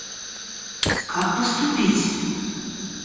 Как поступить?